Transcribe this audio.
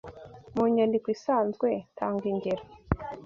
mu nyandiko isanzwe Tanga ingero